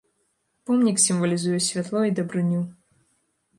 Помнік сімвалізуе святло і дабрыню.